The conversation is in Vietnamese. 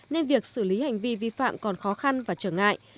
nên việc xử lý hành vi vi phạm còn khó khăn và trở ngại